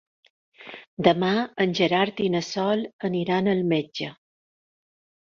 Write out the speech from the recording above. Demà en Gerard i na Sol aniran al metge.